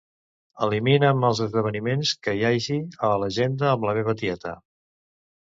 Elimina'm els esdeveniments que hi hagi a l'agenda amb la meva tieta.